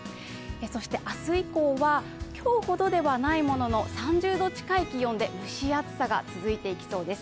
そして明日以降は今日ほどではないものの、３０度近い気温で、蒸し暑さが続いていきそうです。